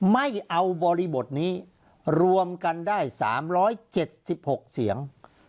ไม่เอาบริบทนี้รวมกันได้๓๗๖เสียง